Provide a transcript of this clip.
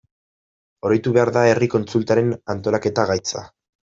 Oroitu behar da herri kontsultaren antolaketa gaitza.